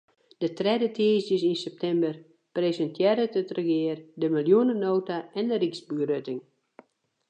De tredde tiisdeis yn septimber presintearret it regear de miljoenenota en de ryksbegrutting.